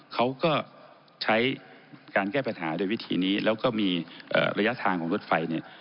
เขาก็ใช้การแก้ปัญหาโดยวิธีนี้แล้วก็มีระยะทางของรถไฟเนี่ย